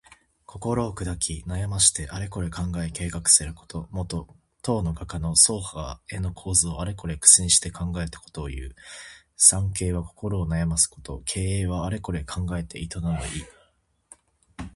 心をくだき、悩ましてあれこれ考え計画すること。もと、唐の画家の曹覇が絵の構図をあれこれ苦心して考えたことをいう。「惨憺」は心を悩ますこと。「経営」はあれこれ考えて営む意。